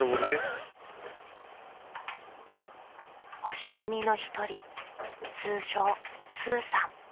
［星組の一人通称スーさん］